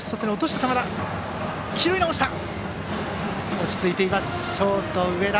落ち着いていますショート、上田。